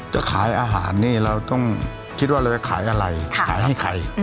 จะขายอาหารนี่เราต้องคิดว่าเราจะขายอะไรขายให้ใคร